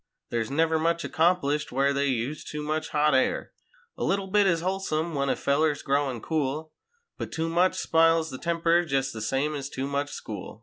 There's never much accomplished where they use too much hot air. A little bit is wholesome when a feller's growin' cool But too much spiles the temper jest the same ez too much school.